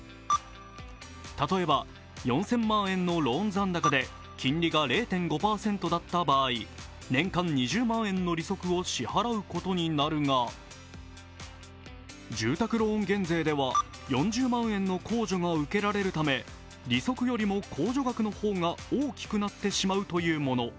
例えば、４０００万円のローン残高で金利が０．５％だった場合年間２０万円の利息を支払うことになるが、住宅ローン減税では４０万円の控除が受けられるため利息よりも控除額の方が大きくなってしまうというもの。